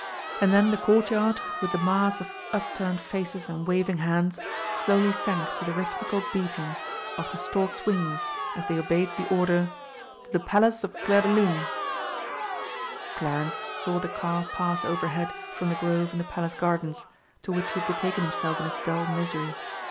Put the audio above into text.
And then the Courtyard, with the mass of upturned faces and waving hands, slowly sank to the rhythmical beating of the storks' wings as they obeyed the order, "To the Palace of Clairdelune." Clarence saw the car pass overhead from the grove in the Palace Gardens, to which he had betaken himself in his dull misery.